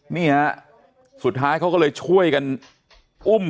เนี่ยสุดท้ายเขาก็เลยช่วยกันอุ้มคุณยายเนี่ย